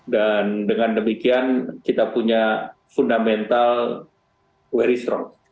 dan dengan demikian kita punya fundamental very strong